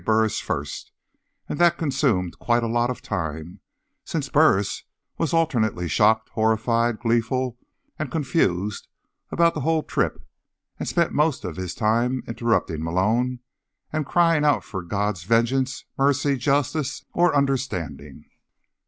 Burris first, and that consumed quite a lot of time, since Burris was alternately shocked, horrified, gleeful and confused about the whole trip, and spent most of his time interrupting Malone and crying out for God's vengeance, mercy, justice or understanding.